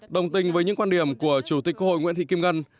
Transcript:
đồng tình với những quan điểm của chủ tịch quốc hội nguyễn thị kim ngân